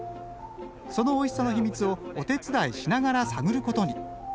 そのおいしさの秘密をお手伝いしながら探ることに。